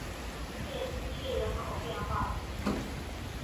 谢西人口变化图示